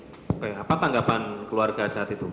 oke apa tanggapan keluarga saat itu